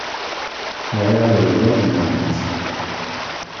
Bɣiɣ ad waliɣ udmawen-nsen.